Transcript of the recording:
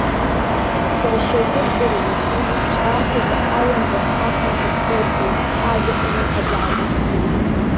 Сара шьоукы здыруеит, уи еиԥш аамҭазы аҩынтәыхә, ахынтәыхә урҭоит, ажәа умырҳәаӡакәа.